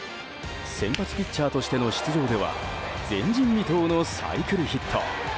先発ピッチャーとしての出場では前人未到のサイクルヒット。